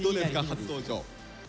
初登場。